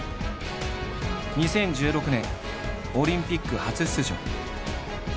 ２０１６年オリンピック初出場。